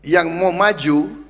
yang mau maju